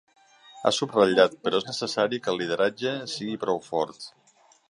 Ha subratllat, però, que és necessari que el lideratge sigui prou fort.